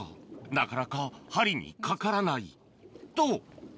なかなか針にかからないと！